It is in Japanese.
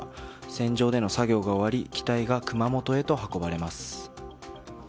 船上での作業が終わり機体が熊本へと向かっていきます。